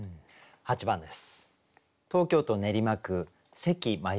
８番です。